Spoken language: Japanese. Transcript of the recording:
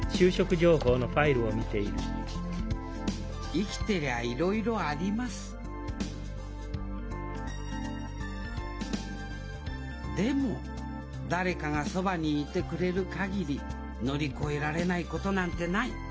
生きてりゃいろいろありますでも誰かがそばにいてくれる限り乗り越えられないことなんてない！